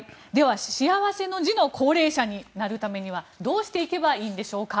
幸せの字の幸齢者になるためにはどうしたらいいのでしょうか。